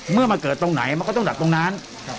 เมื่อมาเกิดตรงไหนมันก็ต้องดักตรงนั้น